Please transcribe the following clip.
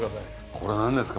これ何ですか？